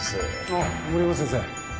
あ森山先生。